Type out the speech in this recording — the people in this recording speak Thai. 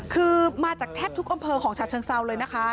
คือมาจากแทบทุกอำเภอของฉะเชิงเซาเลยนะคะ